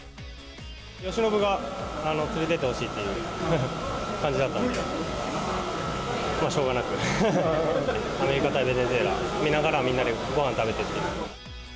由伸が連れてってほしいって感じだったので、まあ、しょうがなく。アメリカ対ベネズエラを見ながら、みんなでごはん食べました。